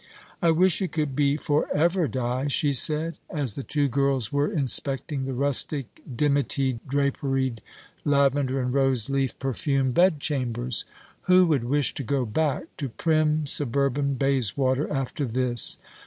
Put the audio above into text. "I wish it could be for ever, Di," she said, as the two girls were inspecting the rustic, dimity draperied, lavender and rose leaf perfumed bedchambers. "Who would wish to go back to prim suburban Bayswater after this?